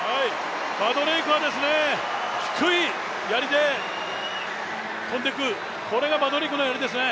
バドレイクは低いやりで飛んでいく、これがバドレイクのやりですね。